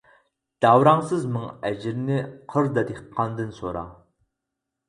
داۋراڭسىز مىڭ ئەجىرنى، قىردا دېھقاندىن سورا.